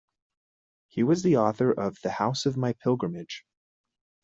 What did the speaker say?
He was the author of "The House of My Pilgrimage".